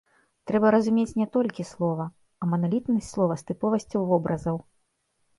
Трэба разумець не толькі слова, а маналітнасць слова з тыповасцю вобразаў.